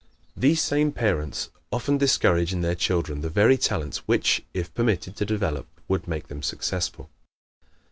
These same parents often discourage in their children the very talents which, if permitted to develop, would make them successful.